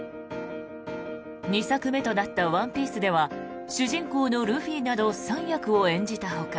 ２作目となった「ワンピース」では主人公のルフィなど３役を演じたほか